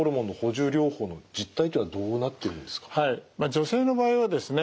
女性の場合はですね